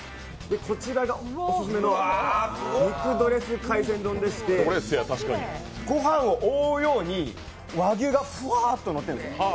こちらが俺のオススメの肉ドレス海鮮丼でしてご飯を覆うように和牛がふわっとのってるんですよ。